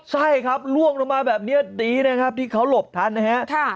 ใช่ครับล่วงลงมาแบบนี้ดีนะครับที่เขาหลบทันนะฮะ